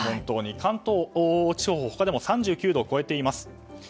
関東地方、他でも３９度を超えています。